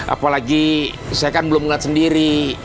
apalagi saya kan belum melihat sendiri